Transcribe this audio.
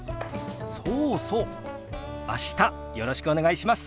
そうそう明日よろしくお願いします。